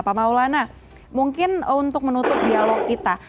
pak maulana mungkin untuk menutup dialog kita